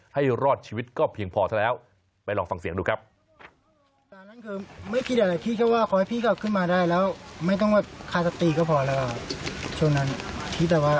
รอดชีวิตก็เพียงพอซะแล้วไปลองฟังเสียงดูครับ